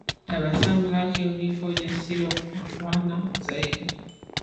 Tabasamu lake hunipa ujasiri wa kupambana zaidi